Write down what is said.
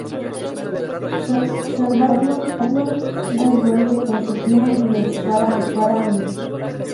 Salvado por Batman, Dos Caras vuelve con Sofía y le dispara a muerte.